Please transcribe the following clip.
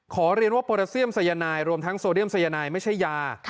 ขอเรียนว่าโปรดาเซียมสัยนายรวมทั้งโซเดียมสัยนายไม่ใช่ยา